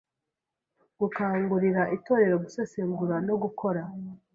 Gukangurira Intore gusesengura no gukora